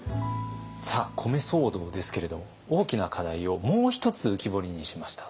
さあ米騒動ですけれど大きな課題をもう一つ浮き彫りにしました。